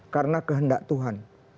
karena kehendak tuhan